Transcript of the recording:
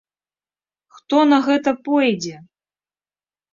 Хто на гэта пойдзе?